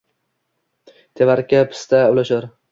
Tevarakka pista ulashar